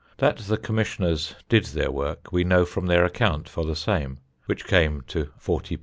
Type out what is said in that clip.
That the Commissioners did their work we know from their account for the same, which came to _£_40.